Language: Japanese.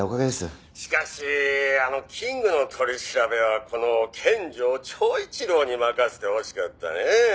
「しかしあのキングの取り調べはこの見城長一郎に任せてほしかったねえ」